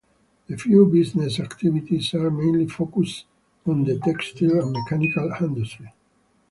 The few business activities are mainly focused on the textile and mechanical industry.